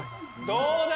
どうだ。